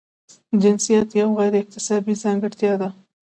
جنسیت یوه غیر اکتسابي ځانګړتیا ده.